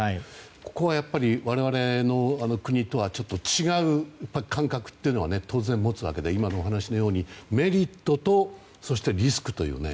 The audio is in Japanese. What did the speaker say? ここが我々の国とはちょっと違う感覚は当然持つわけで今のお話のようにメリットとリスクという面。